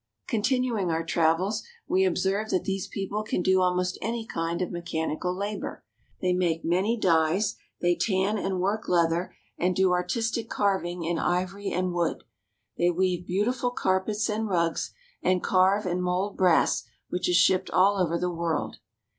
Continuing our travels, we observe that these people can do almost any kind of mechanical labor. A Hindu Carpenter. . ^j^^^ ^^^^^^^^^^^^^ they tan and work leather, and do artistic carving in ivory and wood. They weave beautiful carpets and rugs, and carve and mold brass which is shipped all over the world.